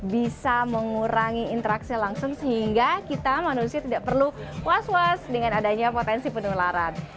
bisa mengurangi interaksi langsung sehingga kita manusia tidak perlu was was dengan adanya potensi penularan